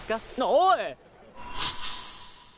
おい。